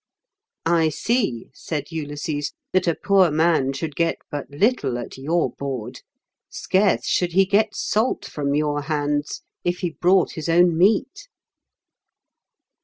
"I see," said Ulysses, "that a poor man should get but little at your board; scarce should he get salt from your hands, if he brought his own meat."